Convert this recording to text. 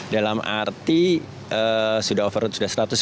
dalam arti sudah overload sudah selesai